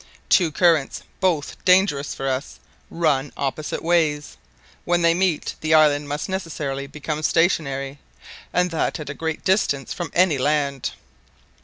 Two currents, both dangerous for us, run opposite ways. When they meet, the island must necessarily become stationary, and that at a great distance from any land.